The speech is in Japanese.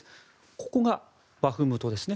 ここがバフムトですね。